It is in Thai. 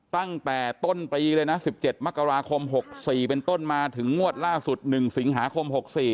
ตั้งแต่ต้นปีเลยนะ๑๗มกราคม๖๔เป็นต้นมาถึงงวดล่าสุด๑สิงหาคม๖๔